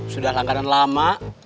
sudah langganan lama